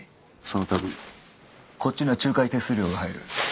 その度こっちには仲介手数料が入る。